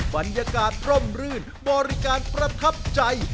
บรรยากาศร่มรื่นบริการประทับใจ